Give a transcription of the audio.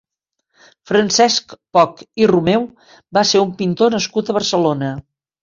Francesc Poch i Romeu va ser un pintor nascut a Barcelona.